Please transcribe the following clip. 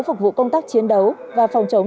phục vụ công tác chiến đấu và phòng chống